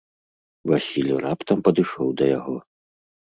Васіль раптам падышоў да яго.